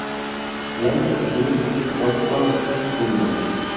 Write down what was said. James C. Dobson Jr.